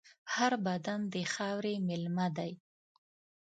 هر بدن د خاورې مېلمه دی.